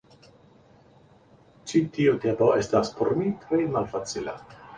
Ĉi tiu tempo estis por mi tre malfacila.